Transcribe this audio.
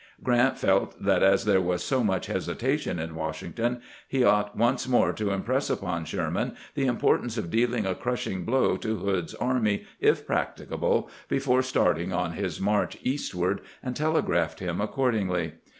Grant felt that as there was so much hesitation in "Washington, he ought once more to impress upon Sher man the importance of dealing a crushing blow to Hood's army, if practicable, before starting on his march east ward, and telegraphed him accordingly.